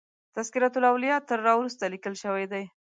تذکرة الاولیاء تر را وروسته لیکل شوی دی.